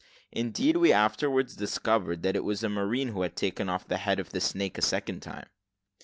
Indeed, we afterwards discovered that it was a marine who had taken off the head of the snake a second time.